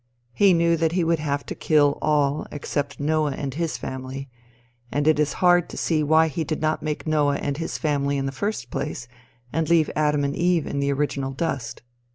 He knew that he would have to kill all except Noah and his family, and it is hard to see why he did not make Noah and his family in the first place, and leave Adam and Eve in the original dust.